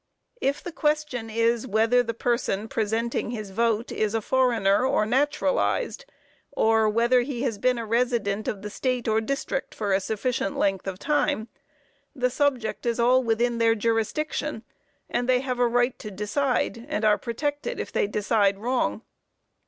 If the question is whether the person presenting his vote is a foreigner or naturalized, or whether he has been a resident of the state or district for a sufficient length of time, the subject is all within their jurisdiction, and they have a right to decide, and are protected if they decide wrong.